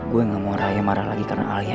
gue gak mau raya marah lagi karena ayah